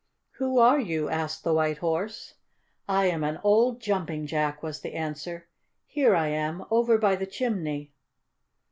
"Who are you?" asked the White Horse. "I am an old Jumping Jack," was the answer. "Here I am, over by the chimney."